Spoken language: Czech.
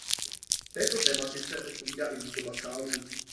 Této tematice odpovídá i výzdoba sálů.